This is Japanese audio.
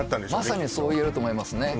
まさにそう言えると思いますね